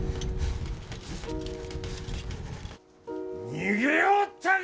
逃げおったか！